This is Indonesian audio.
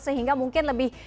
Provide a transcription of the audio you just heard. sehingga mungkin lebih